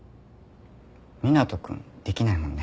湊斗君できないもんね。